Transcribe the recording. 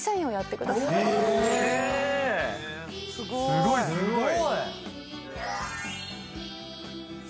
「すごいすごい！」